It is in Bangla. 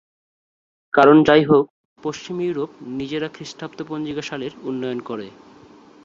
কারণ যাই হোক, পশ্চিম ইউরোপ নিজেরা খ্রিস্টাব্দ পঞ্জিকা সালের উন্নয়ন করে।